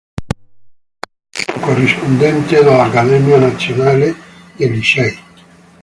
È socio corrispondente dell'Accademia nazionale dei Lincei.